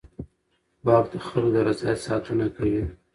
واک د خلکو د رضایت ساتنه کوي.